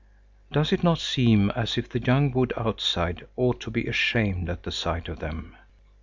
Does it not seem as if the young wood outside ought to be ashamed at the sight of them?